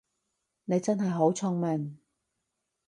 你真係好聰明